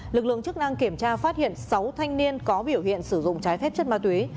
lực lượng chức năng kiểm tra phát hiện sáu thanh niên có biểu hiện sử dụng trái phép chất ma túy